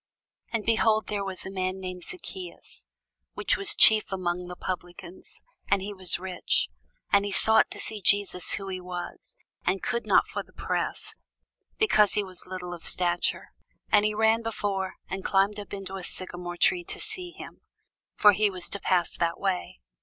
And behold, there was a man named Zacchæus, which was the chief among the publicans, and he was rich. And he sought to see Jesus who he was; and could not for the press, because he was little of stature. And he ran before, and climbed up into a sycomore tree to see him: for he was to pass that way.